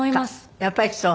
やっぱりそう？